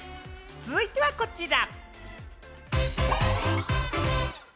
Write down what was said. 続いてはこちら。